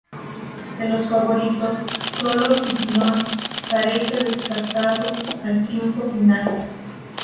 De los favoritos, sólo Fignon parece descartado al triunfo final.